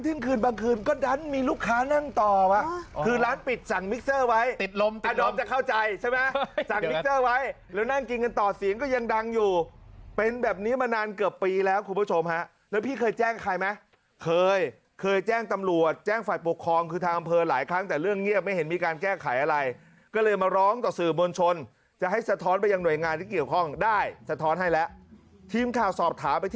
บางที่กลางเท่าไหร่บางที่กลางเท่าไหร่บางที่กลางเท่าไหร่บางที่กลางเท่าไหร่บางที่กลางเท่าไหร่บางที่กลางเท่าไหร่บางที่กลางเท่าไหร่บางที่กลางเท่าไหร่บางที่กลางเท่าไหร่บางที่กลางเท่าไหร่บางที่กลางเท่าไหร่บางที่กลางเท่าไหร่บางที่กลางเท่าไหร่บางที่กลางเท่าไหร่